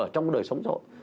trong đời sống dội